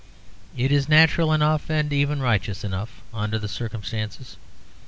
It is natural enough, and even righteous enough, under the circumstances.